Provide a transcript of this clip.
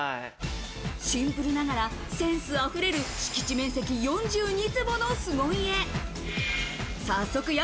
シンプルながらセンスあふれる敷地面積４２坪の凄家。